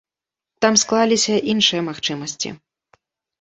Там склаліся іншыя магчымасці.